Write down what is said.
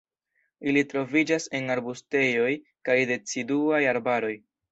Ili troviĝas en arbustejoj kaj deciduaj arbaroj.